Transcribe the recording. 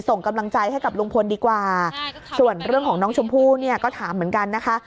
ส่งกำลังใจให้กับลุงพลดีกว่าส่วนเรื่องของน้องชมพู่เนี่ยก็ถามเหมือนกันนะคะ